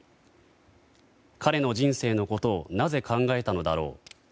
彼の人生のことをなぜ考えたのだろう。